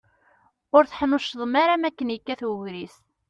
Ur teḥnuccḍem ara makken yekkat ugris.